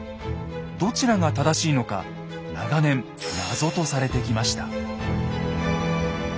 どちらが正しいのか長年謎とされてきました。